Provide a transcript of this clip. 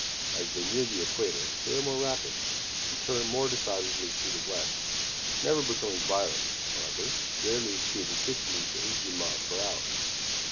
As they near the equator, they are more rapid, and turn more decidedly to the west, never becoming violent, however; rarely exceeding fifteen to eighteen miles per hour.